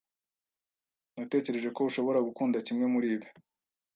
Natekereje ko ushobora gukunda kimwe muribi.